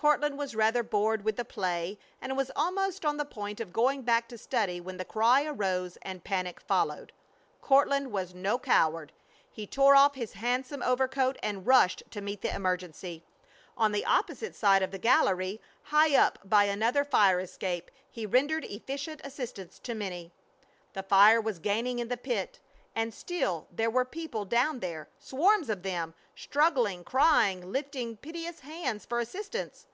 Courtland was rather bored with the play, and was almost on the point of going back to study when the cry arose and panic followed. Courtland was no coward. He tore off his handsome overcoat and rushed to meet the emergency. On the opposite side of the gallery, high up by another fire escape he rendered efficient assistance to many. The fire was gaining in the pit; and still there were people down there, swarms of them, struggling, crying, lifting piteous hands for assistance.